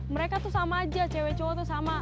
mereka tuh sama aja cewek cewek tuh sama